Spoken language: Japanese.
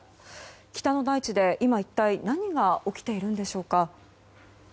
北の大地で今、一体何が起きているんでしょうか。